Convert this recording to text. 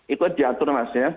itu diatur maksudnya